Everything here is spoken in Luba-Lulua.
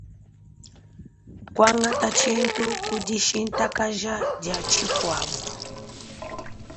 Kuangata tshintu ku dishintakaja dia tshikuabu.